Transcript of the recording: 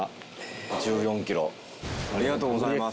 ありがとうございます。